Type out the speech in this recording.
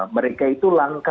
mereka itu langka